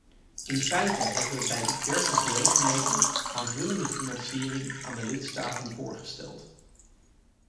In feiten hebben we bij diverse gelegenheden aanvullende financiering aan de lidstaten voorgesteld.